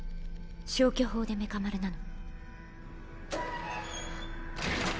消去法でメカ丸なの。